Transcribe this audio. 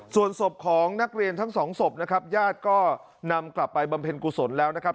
ส่วนศพของนักเรียนทั้งสองศพนะครับญาติก็นำกลับไปบำเพ็ญกุศลแล้วนะครับ